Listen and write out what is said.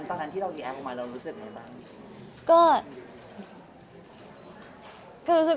คนนี้แหละคือเจ้าสาว